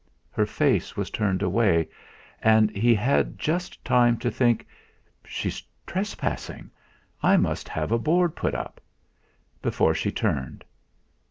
Her face was turned away, and he had just time to think: '.he's trespassing I must have a board put up!' before she turned.